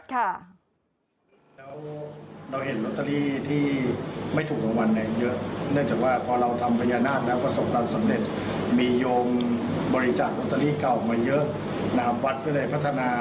ก็มาทดสอบแบบของถ้วยชามสักกลโรคของสวุธวไทย